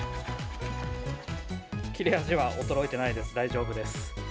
切れ味は衰えてないです、大丈夫です。